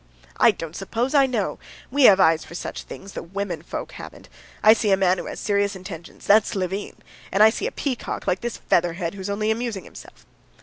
"I don't suppose; I know. We have eyes for such things, though women folk haven't. I see a man who has serious intentions, that's Levin: and I see a peacock, like this feather head, who's only amusing himself."